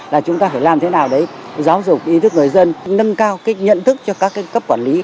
là chúng ta phải làm thế nào để giáo dục ý thức người dân